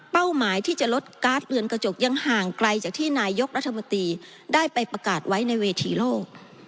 หมายที่จะลดการ์ดเรือนกระจกยังห่างไกลจากที่นายกรัฐมนตรีได้ไปประกาศไว้ในเวทีโลก